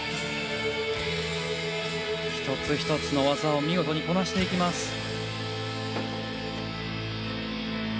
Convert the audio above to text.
一つ一つの技を見事にこなしていきます。